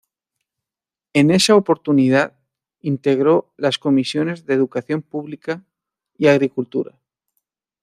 En esa oportunidad, integró las comisiones de Educación Pública y Agricultura.